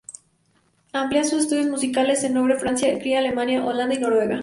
Amplía sus estudios musicales en Ogre, Francia, Chequia, Alemania, Holanda y Noruega.